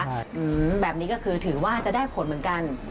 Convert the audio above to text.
อืมแบบนี้ก็คือถือว่าจะได้ผลเหมือนกัน